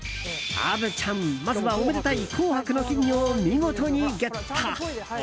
虻ちゃん、まずはおめでたい紅白の金魚を見事にゲット。